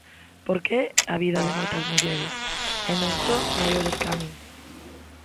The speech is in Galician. Porque é a vida de moitas mulleres, e non só maiores ca min.